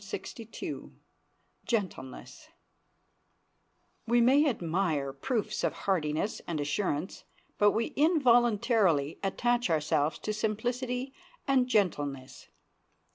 ] We may admire proofs of hardiness and assurance, but we involuntarily attach ourselves to simplicity and gentleness.